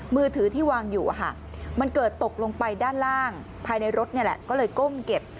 มือถือที่วางอยู่มันเกิดตกลงไปด้านล่างภายในรถนี่แหละก็เลยก้มเก็บ